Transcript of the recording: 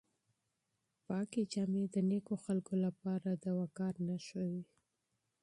پاکې جامې د نېکو خلکو لپاره د وقار نښه وي.